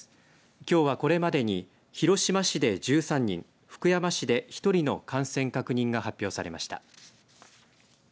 きょうはこれまでに広島市で１３人福山市で１人の感染確認が発表されました。